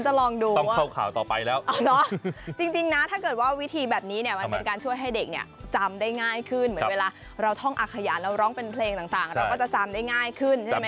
จริงนะถ้าเกิดวิธีแบบนี้ช่วยให้เด็กจำได้ง่ายขึ้นเหมือนเวลาเราท่องอ่าขยะเราร้องเป็นเพลงต่างเราก็จะจำได้ง่ายขึ้นใช่ไหมครับ